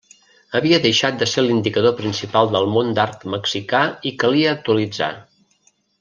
Havia deixat de ser l'indicador principal del món d'art mexicà i calia actualitzar.